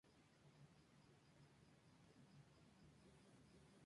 Lo que a todas luces es falso.